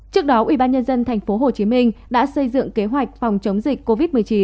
trước đó ubnd tp hcm đã xây dựng kế hoạch phòng chống dịch covid một mươi chín